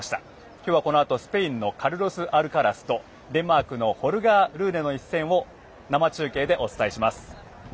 今日は、このあとスペインのカルロス・アルカラスとデンマークのホルガー・ルーネの一戦を生中継でお伝えします。